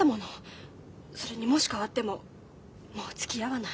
それにもし変わってももうつきあわない。